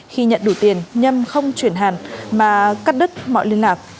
khi nhận đủ tiền nhâm không chuyển hàn mà cắt đứt mọi liên lạc